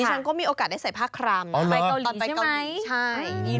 ดิฉันก็มีโอกาสได้ใส่ผ้าคลามอ๋อเหรอไหมเกาหลีใช่มั้ยใช่